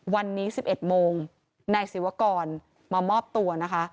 วันนี้๑๑โมงนายศิวกรมามอบตัวนะคะ